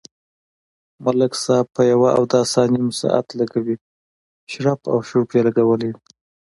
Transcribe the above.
ملک صاحب په یوه اوداسه نیم ساعت لگوي، شړپ او شړوپ یې لگولی وي.